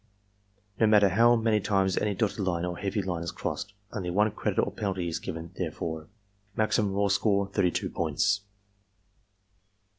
(No matter how many times any dotted line or heavy line is crossed, only one credit or penalty is given therefor.) Maximum raw score, 32 points.